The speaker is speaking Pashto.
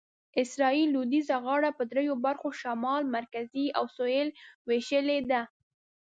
اسرایل لویدیځه غاړه په دریو برخو شمال، مرکزي او سویل وېشلې ده.